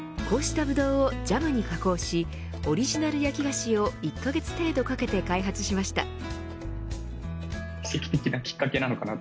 こうしたぶどうをジャムに加工しオリジナル焼き菓子を１カ月程度かけて開発しました。